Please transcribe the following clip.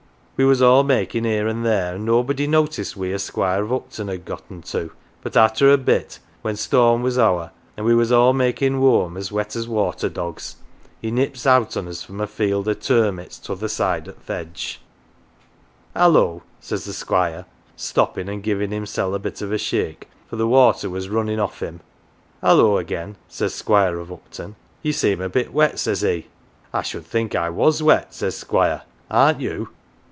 We was all makin' here an' there, an' nobody noticed wheer Squire of Upton had getten to; but arter a bit, when storm was ower an' we was all makin' whoam as wet as water dogs, he nips out on us from a field o' turmits t'other side o' th' hedge. 256 MATES "' Hallo !' says the Squire, stoppirT an' givin' himseF a bit of a shake, for the water was runnin' off him. "' Hallo agen,' says Squire of Upton. ' Ye seem a bit wet,' says he. "' I should think I was wet,' says Squire. ' Aren't you